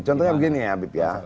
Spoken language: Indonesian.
contohnya begini habib ya